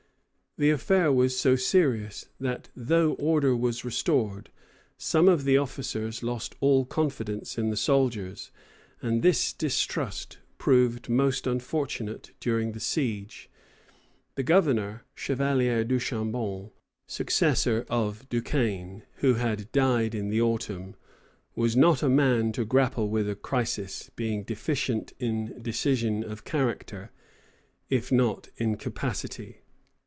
The affair was so serious that though order was restored, some of the officers lost all confidence in the soldiers; and this distrust proved most unfortunate during the siege. The Governor, Chevalier Duchambon, successor of Duquesnel, who had died in the autumn, was not a man to grapple with a crisis, being deficient in decision of character, if not in capacity.